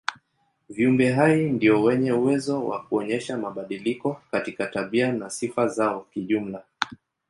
Viumbe hai ndio wenye uwezo wa kuonyesha mabadiliko katika tabia na sifa zao kijumla.